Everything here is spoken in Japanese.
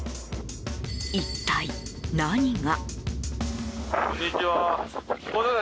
一体、何が？